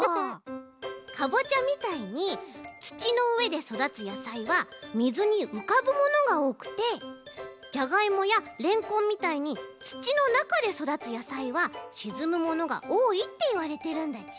かぼちゃみたいにつちのうえでそだつやさいは水にうかぶものがおおくてじゃがいもやれんこんみたいにつちのなかでそだつやさいはしずむものがおおいっていわれてるんだち。